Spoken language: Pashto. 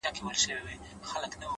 د زړه نرمي انسان محبوبوي.!